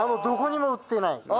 どこにも売ってない。